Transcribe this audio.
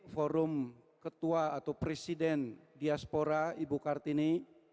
forum ketua atau presiden diaspora ibu kartini